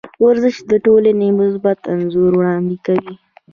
ورزش د ټولنې مثبت انځور وړاندې کوي.